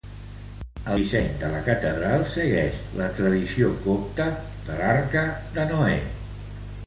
El disseny de la catedral segueix la tradició copta de l'arca de Noè.